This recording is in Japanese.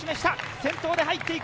先頭で入っていく。